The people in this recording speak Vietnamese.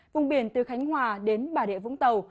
vùng biển từ khánh hòa đến bà rịa vũng tàu